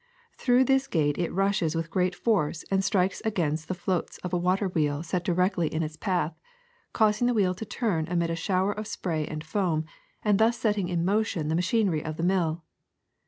Through this gate it rushes with great force and strikes against the floats of a water wheel set directly in its path, causing the wheel to turn amid a shower of spray and foam, and thus setting in motion the machinery of the mill.